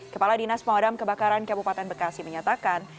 kepala dinas pemadam kebakaran kabupaten bekasi menyatakan